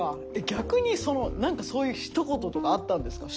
逆にその何かそういうひと言とかあったんですか？